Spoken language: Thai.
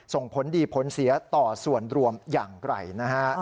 ส่งผลดีผลเสียต่อส่วนรวมอย่างไกลนะฮะ